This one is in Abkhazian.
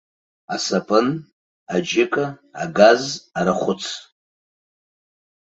Асапын, аџьыка, агаз, арахәыц.